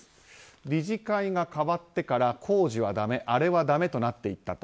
理事会が変わってから工事はだめ、あれはだめとなっていったと。